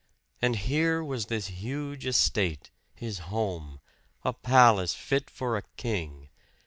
And here was this huge estate, his home a palace fit for a king.